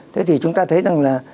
thế thì chúng ta thấy rằng là